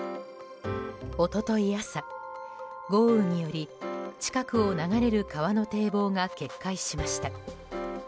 一昨日朝、豪雨により近くを流れる川の堤防が決壊しました。